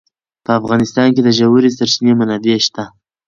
په افغانستان کې د ژورې سرچینې منابع شته.